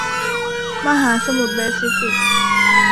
มหาสมุทรแปซิฟิก